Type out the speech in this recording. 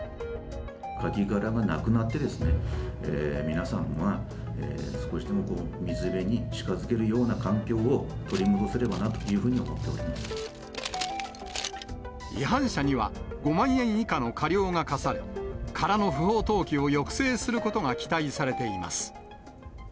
カキ殻がなくなってですね、皆さんが少しでもこう、水辺に近づけるような環境を取り戻せれば違反者には５万円以下の過料が科され、殻の不法投棄を抑制することが期待されています。